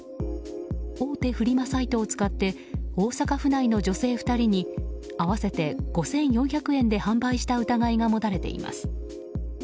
大手フリマサイトを使って大阪府内の女性２人に合わせて５４００円で販売した疑いが持たれています。